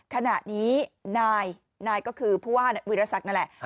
ขณะนี้นายก็คือผู้ว่าวิทยาศักดิ์นั่นแหละ